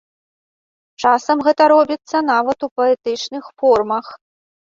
Часам гэта робіцца нават у паэтычных формах.